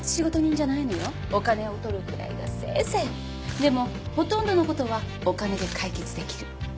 でもほとんどのことはお金で解決できる。